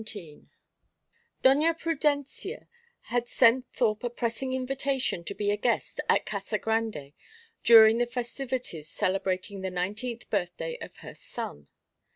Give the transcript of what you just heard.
XVII Doña Prudencia had sent Thorpe a pressing invitation to be a guest at Casa Grande during the festivities celebrating the nineteenth birthday of her son.